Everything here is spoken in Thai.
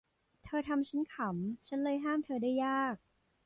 เธอทำฉันขำ ฉันเลยห้ามเธอได้ยาก